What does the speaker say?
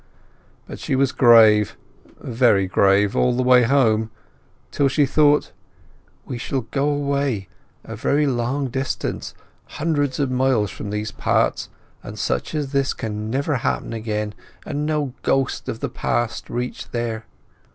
But she was grave, very grave, all the way home; till she thought, "We shall go away, a very long distance, hundreds of miles from these parts, and such as this can never happen again, and no ghost of the past reach there."